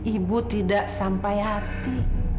ibu tidak sampai hati